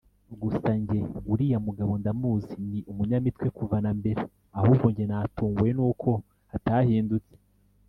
gusa njye uriya mugabo ndamuzi ni umunyamitwe kuva na mbere ahubwo njye natunguwe nuko atahindutse